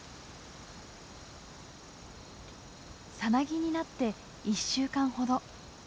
サナギになって１週間ほど。